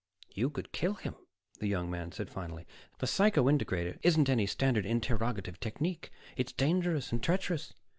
"You could kill him," the young man said finally. "The psycho integrator isn't any standard interrogative technique; it's dangerous and treacherous.